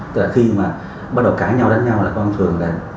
tức là khi mà bắt đầu cãi nhau đánh nhau là công an phường